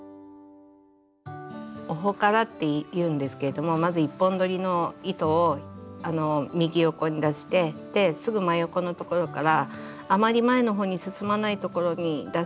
オホカラっていうんですけどもまず１本どりの糸を右横に出してですぐ真横のところからあまり前の方に進まないところに出して糸をかけて。